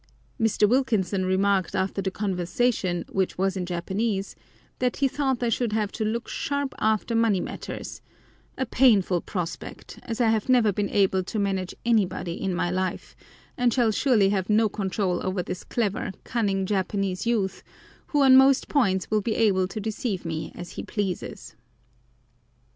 Mr. W. remarked after the conversation, which was in Japanese, that he thought I should have to "look sharp after money matters"—a painful prospect, as I have never been able to manage anybody in my life, and shall surely have no control over this clever, cunning Japanese youth, who on most points will be able to deceive me as he pleases.